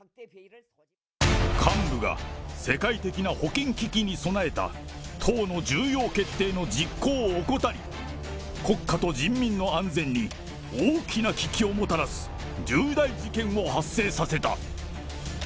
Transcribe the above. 幹部が世界的な保健危機に備えた党の重要決定の実行を怠り、国家と人民の安全に大きな危機をもたらす重大事件を発生させた。